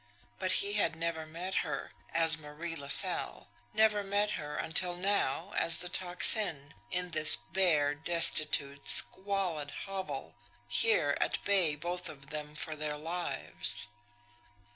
But he had never met her as Marie LaSalle; never met her until now, as the Tocsin, in this bare, destitute, squalid hovel, here at bay, both of them, for their lives.